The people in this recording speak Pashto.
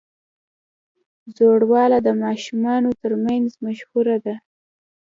ژاوله د ماشومانو ترمنځ مشهوره ده.